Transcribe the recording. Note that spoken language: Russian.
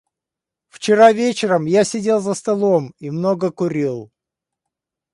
Вчера вечером я сидел за столом и много курил.